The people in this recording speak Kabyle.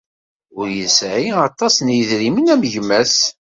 Ur yesɛi aṭas n yedrimen am gma-s.